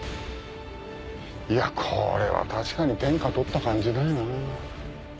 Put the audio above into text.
いやこれは確かに天下取った感じだよな。